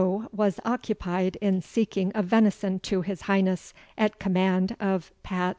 was occupied in seeking of venison to his Hieness, at command of Pat.